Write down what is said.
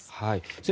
先生